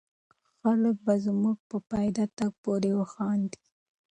خلک به زموږ په پیاده تګ پورې وخاندي.